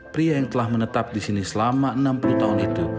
pria yang telah menetap di sini selama enam puluh tahun itu